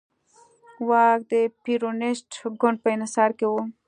واک د پېرونېست ګوند په انحصار کې و.